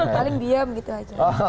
paling diam gitu aja